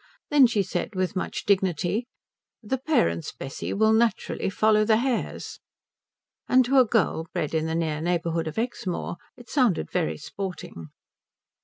Then she said with much dignity, "The parents, Bessie, will naturally follow the hairs." And to a girl bred in the near neighbourhood of Exmoor it sounded very sporting.